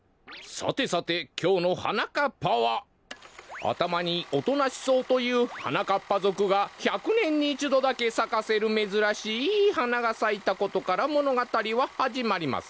さてさてきょうの「はなかっぱ」はあたまに音なし草というはなかっぱぞくが１００ねんにいちどだけさかせるめずらしいはながさいたことからものがたりははじまります。